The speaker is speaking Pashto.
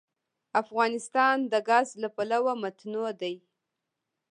افغانستان د ګاز له پلوه متنوع دی.